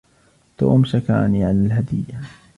توم شكرني على الهدية.